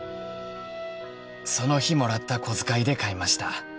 「その日もらった小遣いで買いました」